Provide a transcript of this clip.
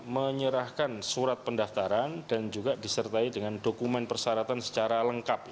menyerahkan surat pendaftaran dan juga disertai dengan dokumen persyaratan secara lengkap